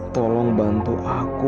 tolong bantu aku